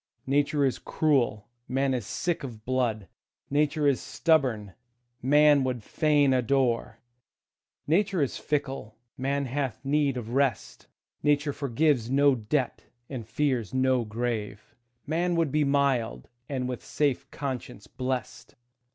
Nature is cruel, man is sick of blood; Nature is stubborn, man would fain adore; Nature is fickle, man hath need of rest; Nature forgives no debt, and fears no grave; Man would be mild, and with safe conscience blest.